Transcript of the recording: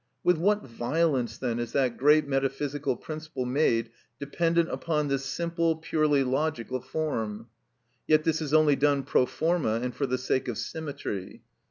With what violence then is that great metaphysical principle made dependent upon this simple, purely logical form! Yet this is only done pro forma, and for the sake of symmetry.